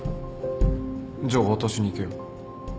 じゃあ渡しに行けよ。